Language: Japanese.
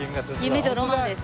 夢とロマンです。